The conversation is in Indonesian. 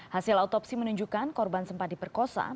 hasil autopsi menunjukkan korban sempat diperkosa